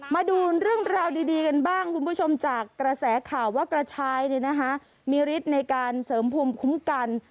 มาดูเรื่องราวดีกันบ้างคุณผู้ชมจากกระแสข่าวว่ากระชายมีฤทธิ์ในการเสริมภูมิคุ้มกัน